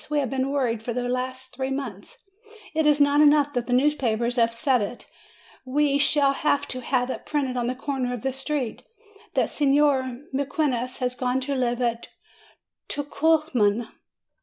We have been worried for the last three months. It is not enough that the newspapers have said it. W T e shall have to have it printed on the corner of the street, that Signor Mequinez has gone to live at Tucuman!"